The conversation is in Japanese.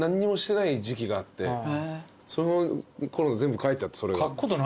そのころ全部書いてあってそれが。